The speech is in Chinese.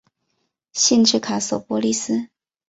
县治卡索波利斯。